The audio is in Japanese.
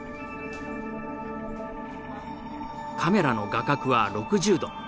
カメラの画角は６０度。